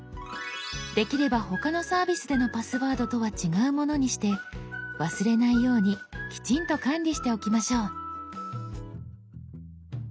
できれば他のサービスでのパスワードとは違うものにして忘れないようにきちんと管理しておきましょう。